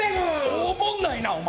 おもんないな、お前！